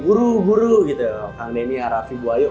guru guru gitu ya kang denia raffi buwayo